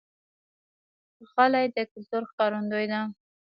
غلۍ د کلتور ښکارندوی ده.